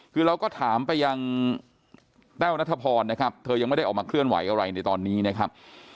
คือเราก็ถามไปยังแต้วนัทพรนะครับเธอยังไม่ได้ออกมาเคลื่อนไหวอะไรในตอนนี้นะครับ